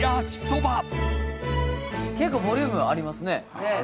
結構ボリュームありますね。